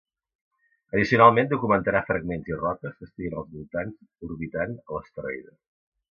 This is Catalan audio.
Addicionalment documentarà fragments i roques que estiguin als voltants orbitant a l'asteroide.